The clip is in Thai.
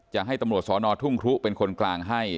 จะให้ตำรวจสอนอทุ่งครุเป็นคนกลางให้